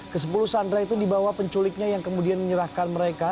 ke sepuluh sandra itu dibawa penculiknya yang kemudian menyerahkan mereka